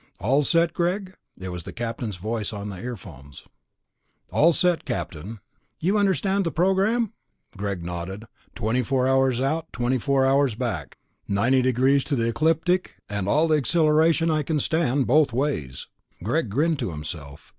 "All set, Greg?" It was the captain's voice in the earphones. "All set, Captain." "You understand the program?" Greg nodded. "Twenty four hours out, twenty four hours back, ninety degrees to the ecliptic, and all the accelleration I can stand both ways." Greg grinned to himself.